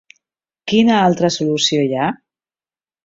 Quina altra solució hi ha?